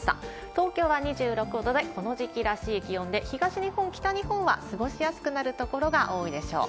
東京は２６度で、この時期らしい気温で、東日本、北日本は過ごしやすくなる所が多いでしょう。